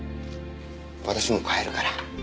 私もう帰るから。